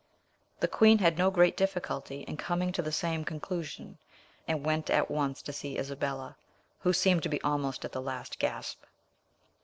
The queen had no great difficulty in coming to the same conclusion, and went at once to see Isabella, who seemed to be almost at the last gasp.